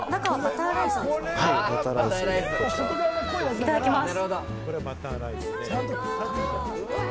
いただきます。